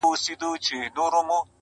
خود به د حالاتو سره جنګ کيیار ګټي میدان,